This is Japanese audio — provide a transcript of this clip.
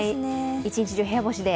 一日中部屋干しで？